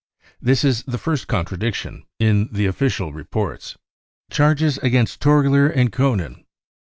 This is the first contradiction in the official reports. Charges against Torgler and Koenen.